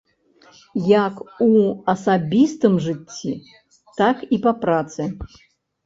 Як у асабістым жыцці, так і па працы.